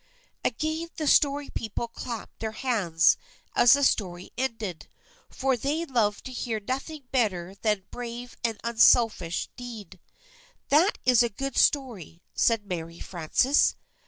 Again the Story People clapped their hands as the story ended, for they love to hear of nothing better than a brave and an unselfish deed. "That is a good story," said Mary Frances.